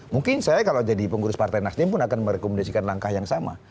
mungkin saya kalau jadi pengurus partai nasdem pun akan merekomendasikan langkah yang sama